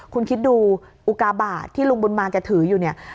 คุณคิดดูอุกาบาทที่ลุงบุญมาแกถืออยู่เนี่ย